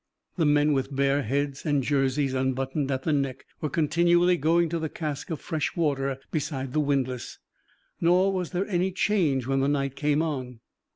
The men, with bare heads, and jerseys unbuttoned at the neck, were continually going to the cask of fresh water beside the windlass. Nor was there any change when the night came on.